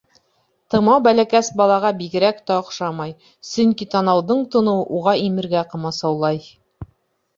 Тымау бәләкәс балаға бигерәк тә оҡшамай, сөнки танауҙың тоноуы уға имергә ҡамасаулай.